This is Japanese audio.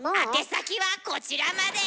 宛先はこちらまで。